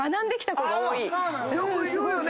よく言うよね。